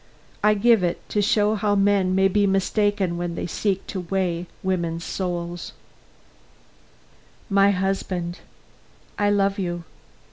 I give it, to show how men may be mistaken when they seek to weigh women's souls: My Husband: I love you.